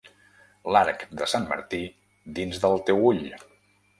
L'arc de sant Martí dins del teu ull.